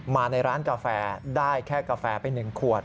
มาในร้านกาแฟได้แค่กาแฟไป๑ขวด